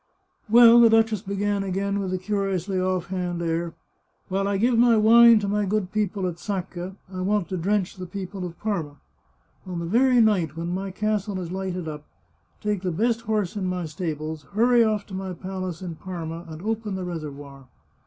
" Well," the duchess began again with a curiously off hand" air, " while I give wine to my good people at Sacca, I want to drench the people of Parma. On the very night when my castle is lighted up, take the best horse in my stables, hurry off to my palace in Parma, and open the reservoir."